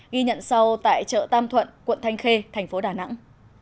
ghi nhận sau tại chợ tam thuận quận thanh khê thành phố đà nẵng